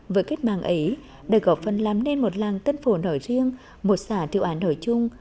với kết mạng ấy đã góp phần làm nên một làng tân phổ nổi riêng một xã triệu án nổi chung